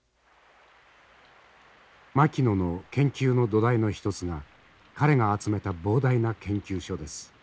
牧野の研究の土台の一つが彼が集めた膨大な研究書です。